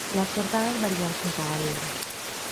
Las portadas varían con cada libro.